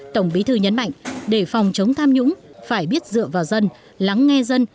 tổng bí thư nhấn mạnh để phòng chống tham nhũng phải biết dựa vào dân lắng nghe dân